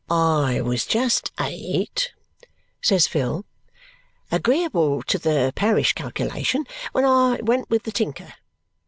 "I was just eight," says Phil, "agreeable to the parish calculation, when I went with the tinker.